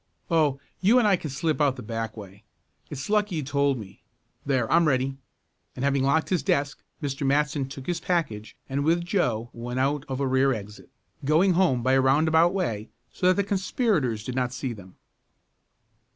"Oh, you and I can slip out the back way. It's lucky you told me. There, I'm ready," and having locked his desk, Mr. Matson took his package and with Joe went out of a rear exit, going home by a roundabout way so that the conspirators did not see them.